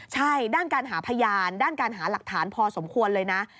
ใช่ด้านการหาพยานด้านการหาหลักฐานพอสมควรเลยนะ